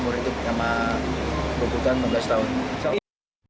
polisi menduga mereka menggunakan besi pagar besi